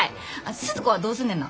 スズ子はどうすんねんな。